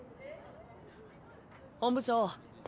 本部長！